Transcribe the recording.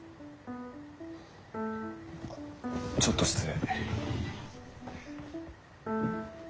ちょっと失礼。